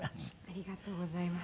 ありがとうございます。